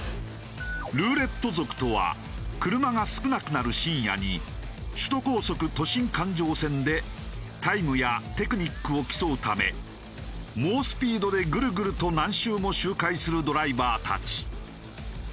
ルーレット族とは車が少なくなる深夜に首都高速都心環状線でタイムやテクニックを競うため猛スピードでぐるぐると何周も周回するドライバーたち。